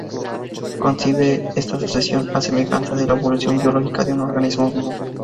Concibe esta sucesión a semejanza de la evolución biológica de un organismo vivo.